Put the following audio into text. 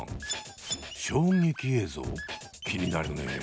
衝撃映像気になるね。